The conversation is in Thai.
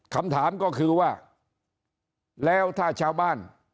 คำถามก็คือว่าแล้วถ้าชาวบ้าน